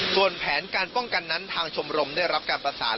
ส่วนแผนการป้องกันนั้นทางชมรมได้รับการประสาน